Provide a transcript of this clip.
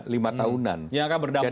lima tahunan yang akan berdampak